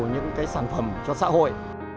những cái sản phẩm cho xã hội